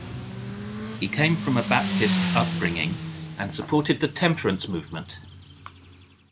He came from a Baptist upbringing, and supported the temperance movement.